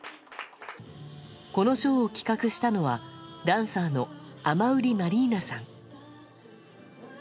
このショーを企画したのはダンサーのアマウリ・マリーナさん。